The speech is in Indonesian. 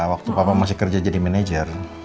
waktu papa masih kerja jadi manajer